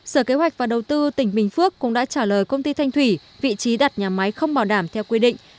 sở kế hoạch và đầu tư tỉnh bình phước cũng đã trả lời công ty thanh thủy vị trí đặt nhà máy không bảo đảm theo quy định